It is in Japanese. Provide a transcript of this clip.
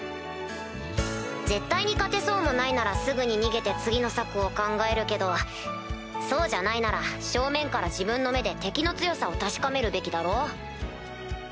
絶対に勝てそうもないならすぐに逃げて次の策を考えるけどそうじゃないなら正面から自分の目で敵の強さを確かめるべきだろう？